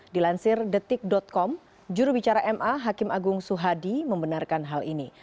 dilansir detik com jurubicara ma hakim agung suhadi membenarkan hal ini